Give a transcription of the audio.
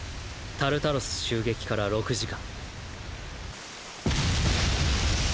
タルタロス襲撃から６時間